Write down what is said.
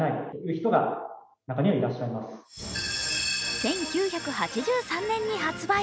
１９８３年に発売。